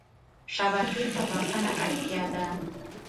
شبکې ته بښنه اړتیا ده.